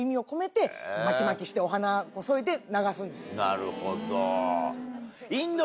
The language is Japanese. なるほど。